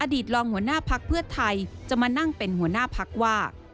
ตรองหัวหน้าพักเพื่อไทยจะมานั่งเป็นหัวหน้าพักว่า